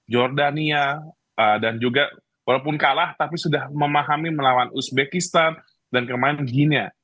jordania dan juga walaupun kalah tapi sudah memahami melawan uzbekistan dan kemarin gina